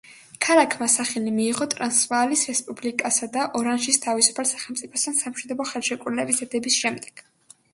ქალაქმა სახელი მიიღო ტრანსვაალის რესპუბლიკასა და ორანჟის თავისუფალ სახელმწიფოსთან სამშვიდობო ხელშეკრულების დადების შემდეგ.